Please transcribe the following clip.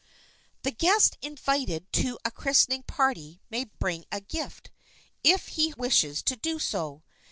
A guest invited to a christening party may bring a gift, if he wishes to do so.